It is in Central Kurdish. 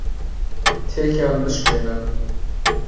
تێکیان بشکێنن.